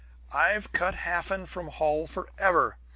"I've cut Hafen from Holl forever!